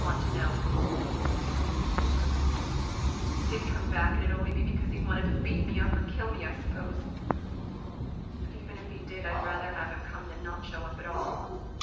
] If he did come back it'd only because he wanted to beat me up or kill me, I suppose. But even if he did, I'd rather have him come than not show up at all.